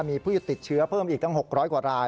มีผู้ติดเชื้อเพิ่มอีกตั้ง๖๐๐กว่าราย